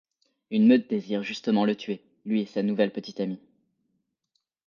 Une meute désire justement le tuer, lui et sa nouvelle petite amie...